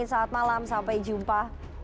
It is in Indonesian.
selamat malam sampai jumpa